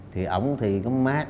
thì ổng thì có mát